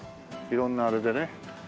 色んなあれでね。